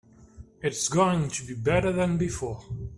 It is going to be better than before.